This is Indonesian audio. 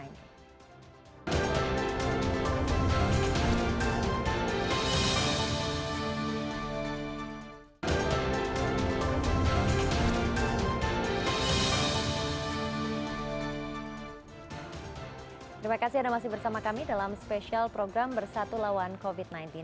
terima kasih anda masih bersama kami dalam spesial program bersatu lawan covid sembilan belas